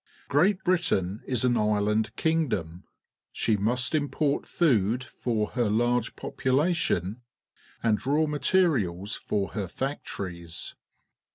Great Britain is an island kingdom. She must import food for her large population and raw materials for her factories.